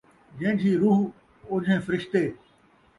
جیجھیں روح ، اوجھیں فرشتے